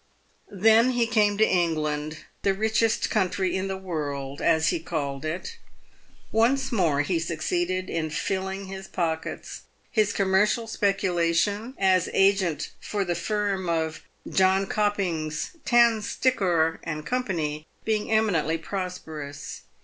Then he came to England — the richest country in the world, as he called it. Once more he succeeded in filling his pockets, his com mercial speculation, as agent for the firm of Jonkopings, Tandstickor, and Co., being eminently prosperous.